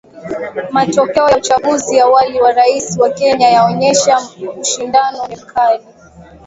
Matokeo ya uchaguzi awali wa rais wa Kenya yaonyesha ushindani ni mkali